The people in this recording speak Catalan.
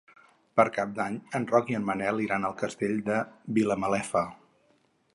Per Cap d'Any en Roc i en Manel iran al Castell de Vilamalefa.